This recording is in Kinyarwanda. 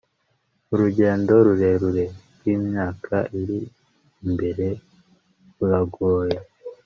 urugendo rurerure rwimyaka iri imbere ruragoye